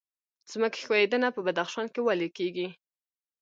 ځمکې ښویدنه په بدخشان کې ولې کیږي؟